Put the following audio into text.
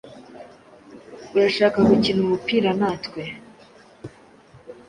Urashaka gukina umupira natwe?